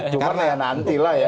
cuma ya nanti lah ya